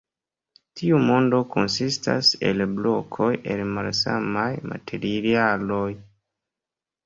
Tiu mondo konsistas el blokoj el malsamaj materialoj.